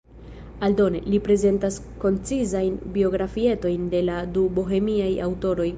Aldone, li prezentas koncizajn biografietojn de la du bohemiaj aŭtoroj.